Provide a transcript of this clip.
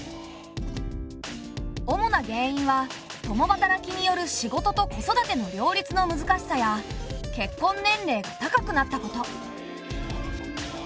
主な原因は共働きによる仕事と子育ての両立の難しさや結婚年齢が高くなったこと。